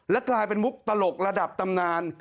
กลายเป็นมุกตลกระดับตำนาน